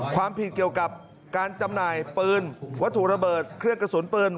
ความผิดเกี่ยวกับการจำหน่ายปืนวัตถุระเบิดเครื่องกระสุนปืน